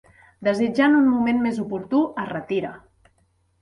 Desitjant un moment més oportú, es retira.